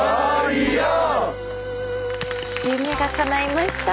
夢がかないました。